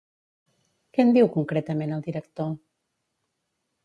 Què en diu concretament el director?